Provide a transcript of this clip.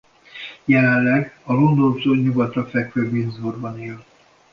Jelenleg a Londontól nyugatra fekvő Windsorban él.